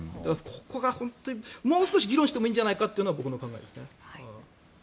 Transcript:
ここがもう少し議論してもいいんじゃないかっていうのが僕の考えですね。